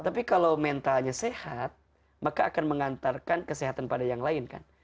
tapi kalau mentalnya sehat maka akan mengantarkan kesehatan pada yang lain kan